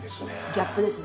ギャップですね。